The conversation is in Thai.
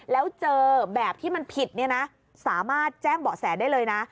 แล้วเจอแบบที่มันผิดเนี่ยนะสามารถแจ้งเบาะแสได้เลยนะ